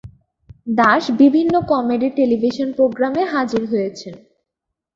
দাস বিভিন্ন comedy television প্রোগ্রামে হাজির হয়েছেন।